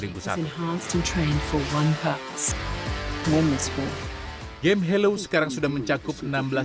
game halo sekarang sudah mencakup enam belas miliar rupiah